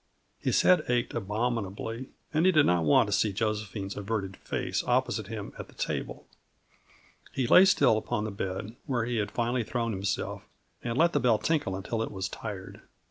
His head ached abominably, and he did not want to see Josephine's averted face opposite him at the table. He lay still upon the bed where he had finally thrown himself, and let the bell tinkle until it was tired.